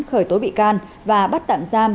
khởi tố bị can và bắt tạm giam